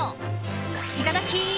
いただき！